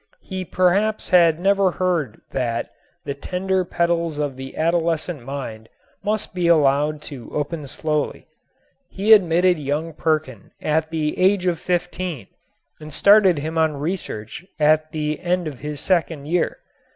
He perhaps had never heard that "the tender petals of the adolescent mind must be allowed to open slowly." He admitted young Perkin at the age of fifteen and started him on research at the end of his second year.